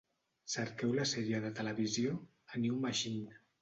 Cerqueu la sèrie de televisió "A New Machine".